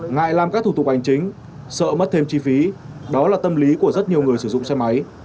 ngại làm các thủ tục hành chính sợ mất thêm chi phí đó là tâm lý của rất nhiều người sử dụng xe máy